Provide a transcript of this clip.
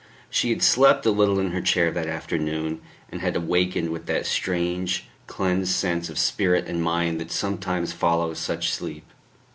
She had slept a little in her chair that afternoon, and had awakened with that strange cleansed sense of spirit and mind that sometimes follows such sleep.